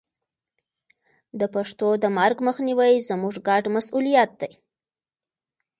د پښتو د مرګ مخنیوی زموږ ګډ مسوولیت دی.